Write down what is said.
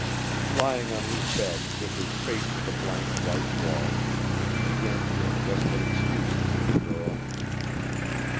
Lying on his bed, with his face to the blank white wall, he began to make desperate excuses for the girl.